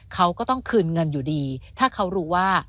เขาก็ต้องคืนเงินอยู่ดีถ้าเขารู้ว่า